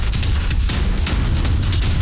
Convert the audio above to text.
jangan makan adam